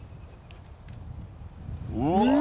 うわ。